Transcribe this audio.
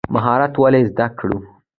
مهارت ولې زده کړو؟